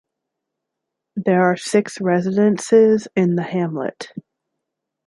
There are six residences in the hamlet.